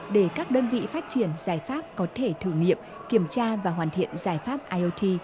để các đơn vị phát triển giải pháp có thể thử nghiệm kiểm tra và hoàn thiện giải pháp iot